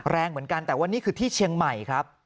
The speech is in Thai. แรงเหมือนกันแต่ว่านี่คือที่เชียงใหม่ครับ